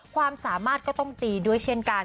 ความสามารถก็ต้องตีด้วยเช่นกัน